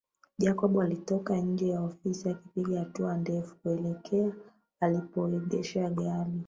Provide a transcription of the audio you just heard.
Jacob alitoka nje ya ofisi akipiga hatua ndefu kuelekea alipoegesha gari